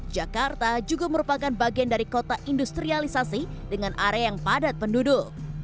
jakarta juga merupakan bagian dari kota industrialisasi dengan area yang padat penduduk